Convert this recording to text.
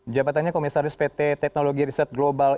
jabatannya komisaris pt teknologi riset global